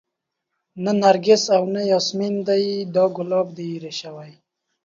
نه نرګس او نه ياسمن دى دا ګلاب دى ايرې شوى